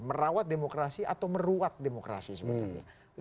merawat demokrasi atau meruat demokrasi sebetulnya